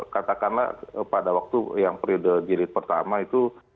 katakanlah pada waktu yang periode jilid pertama itu